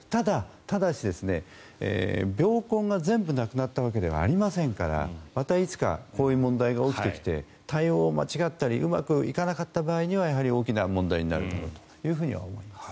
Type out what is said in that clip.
ただし、病根が全部なくなったわけではありませんからまたいつかこういう問題が起きてきて対応を間違ったりうまくいかなかった場合にはやはり大きな問題になるというふうには思います。